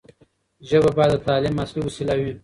ژبه باید د تعلیم اصلي وسیله وي.